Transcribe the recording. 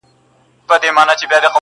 دوهم ځل او دريم ځل يې په هوا كړ!!